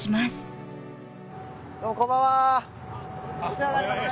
どうもこんばんはお世話になります。